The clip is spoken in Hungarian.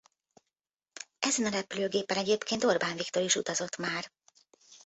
Ezen a repülőgépen egyébként Orbán Viktor is utazott már.